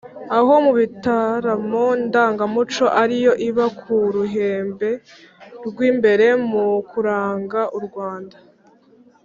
Aho mu bitaramo ndangamuco ariyo iba ku ruhembe rw’imbere mu kuranga u Rwanda.